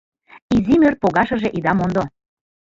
Изи мӧр погашыже ида мондо.